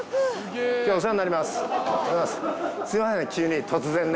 今日お世話になります。